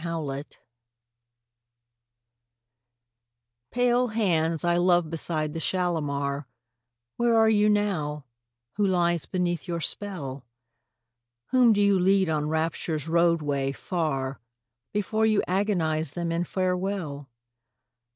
Kashmiri Song Pale hands I love beside the Shalimar, Where are you now? Who lies beneath your spell? Whom do you lead on Rapture's roadway, far, Before you agonise them in farewell?